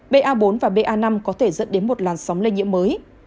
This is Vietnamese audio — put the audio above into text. ba bốn và ba năm có thể dẫn đến một làn sóng lây nhiễm mới